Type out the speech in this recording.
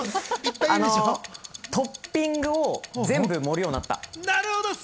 あの、トッピングも全部盛るようになった。